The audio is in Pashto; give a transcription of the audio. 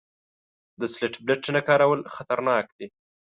د سیټ بیلټ نه کارول خطرناک دي.